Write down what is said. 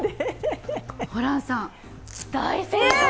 ホランさん、大正解！